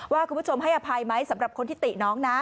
คุณผู้ชมให้อภัยไหมสำหรับคนที่ติน้องนะ